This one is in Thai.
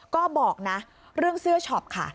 ก็บอกนะเรื่องเสื้อช็อปค่ะ